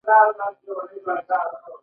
بزګر نور نشو کولی چې هم د اسبابو جوړونکی شي.